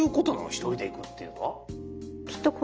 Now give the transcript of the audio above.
１人で行くっていうのは。